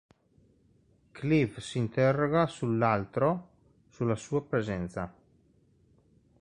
Cliff si interroga sull"'altro", sulla sua presenza.